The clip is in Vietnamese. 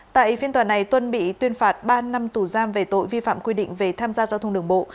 tại phiên tòa này tuân bị tuyên phạt ba năm tù giam về tội vi phạm quy định về tham gia giao thông đường bộ